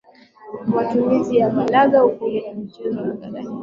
kwa matumizi ya ghala ukumbi wa michezo na kadhalika au